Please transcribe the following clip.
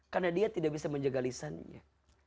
karena dia tidak bisa menjaga lisannya